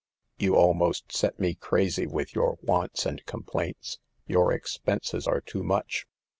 " You almost set me crazy with your wants and complaints. Your expenses are too much.